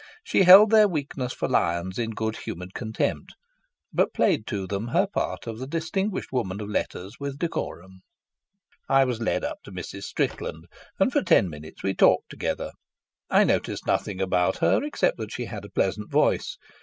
She held their weakness for lions in good humoured contempt, but played to them her part of the distinguished woman of letters with decorum. I was led up to Mrs. Strickland, and for ten minutes we talked together. I noticed nothing about her except that she had a pleasant voice.